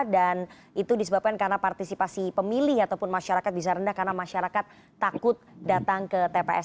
dan itu disebabkan karena partisipasi pemilih ataupun masyarakat bisa rendah karena masyarakat takut datang ke tps